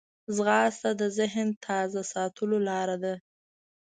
ځغاسته د ذهن تازه ساتلو لاره ده